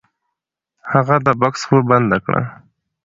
هغه د بکس خوله بنده کړه. .